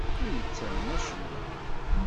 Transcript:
Ur ittamen acemma.